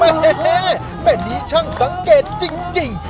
แม่แม่นี้ช่างสังเกตจริง